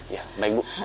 ya baik bu